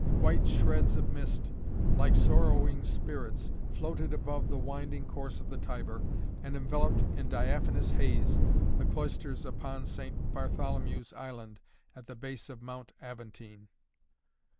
White shreds of mist, like sorrowing spirits, floated above the winding course of the Tiber, and enveloped in a diaphanous haze the cloisters upon St. Bartholomew's Island at the base of Mount Aventine.